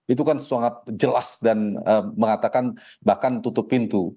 itu kan sangat jelas dan mengatakan bahkan tutup pintu